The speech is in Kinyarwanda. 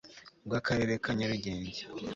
bw Akarere ka Nyarugenge